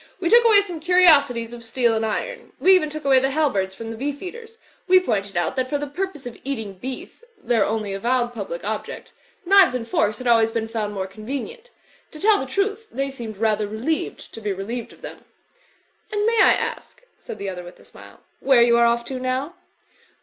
We took away some curiosities of steel and iron. We even took away the halberds from the Beef eaters. We pointed out that for the purpose of eating beef (their only avowed public object) knives and forks had always been fotmd more con venient. To tell the truth, th^y seemed rather re lieved to be relieved of them." "And may I ask," said the other with a smile, ''where you are off to now?"